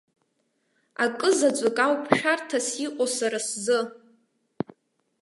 Акызаҵәык ауп шәарҭас иҟоу сара сзы.